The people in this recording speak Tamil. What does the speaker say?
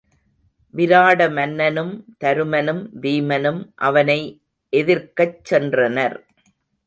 விராட மன்னனும், தருமனும், வீமனும் அவனை எதிர்க்கச் சென்றனர்.